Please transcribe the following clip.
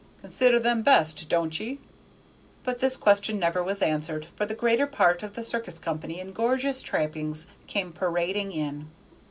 Consider them best, don't ye?" But this question never was answered, for the greater part of the circus company in gorgeous trappings came parading in.